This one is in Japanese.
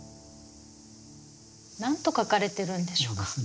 何と書かれてるんでしょうか？